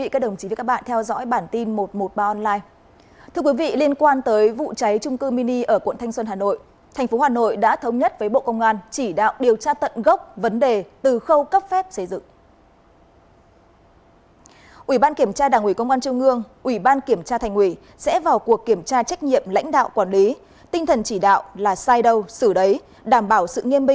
chào mừng quý vị đến với bản tin một trăm một mươi ba online